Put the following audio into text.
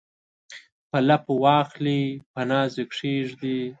په لپو واخلي په ناز یې کښیږدي